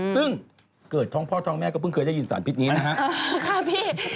ซึ่งเกิดท้องพ่อท้องแม่ก็เพิ่งเคยได้ยินสารพิษนี้นะครับพี่